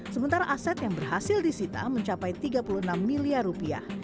sementara aset yang berhasil disita mencapai tiga puluh enam miliar rupiah